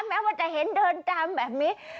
แม้ว่าจะเห็นเดินตามแบบนี้